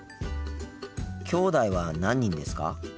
きょうだいは何人ですか？